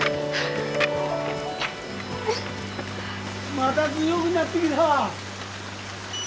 まだ強ぐなってきた。